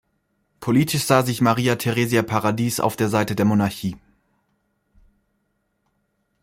Politisch sah sich Maria Theresia Paradis auf der Seite der Monarchie.